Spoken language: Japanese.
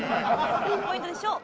何ポイントでしょう？